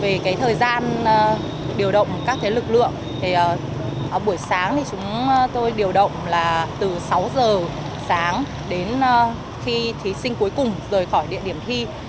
về thời gian điều động các lực lượng buổi sáng tôi điều động từ sáu giờ sáng đến khi thí sinh cuối cùng rời khỏi điểm thi